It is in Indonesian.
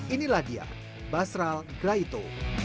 inilah dia basral gaito